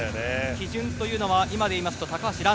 基準というのは今で言いますと高橋藍？